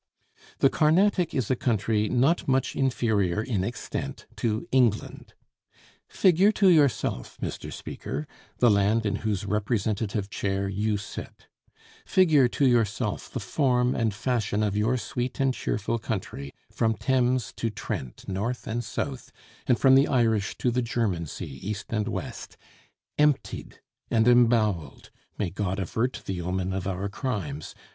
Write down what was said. The Carnatic is a country not much inferior in extent to England. Figure to yourself, Mr. Speaker, the land in whose representative chair you sit; figure to yourself the form and fashion of your sweet and cheerful country from Thames to Trent north and south, and from the Irish to the German Sea east and west, emptied and emboweled (may God avert the omen of our crimes!)